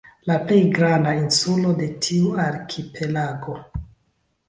La plej granda insulo de tiu arkipelago.